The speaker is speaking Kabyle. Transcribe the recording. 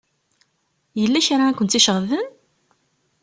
Yella kra i kent-iceɣben?